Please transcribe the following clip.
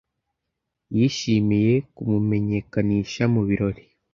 Yishimiye kumumenyekanisha mu birori.